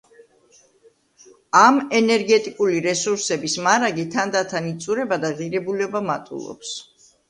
ამ ენერგეტიკული რესურსების მარაგი თანდათან იწურება და ღირებულება მატულობს.